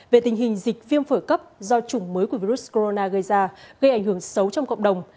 về tình hình dịch viêm phổi cấp do chủng mới của virus corona gây ra gây ảnh hưởng xấu trong cộng đồng